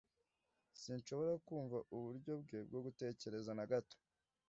Sinshobora kumva uburyo bwe bwo gutekereza na gato.